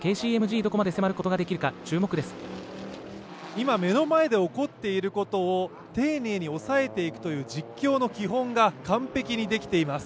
今、目の前で起こっていることを丁寧に押さえていくという実況の基本が完璧にできています。